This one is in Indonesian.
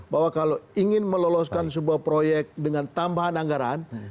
bahwa kalau ingin meloloskan sebuah proyek dengan tambahan anggaran